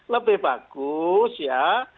lebih bagus ya